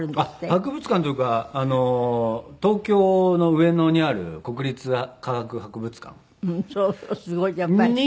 博物館というか東京の上野にある国立科学博物館？に。